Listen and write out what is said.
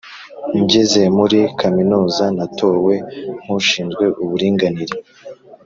ngeze muri kaminuza natowe nk’ushinzwe uburinganire,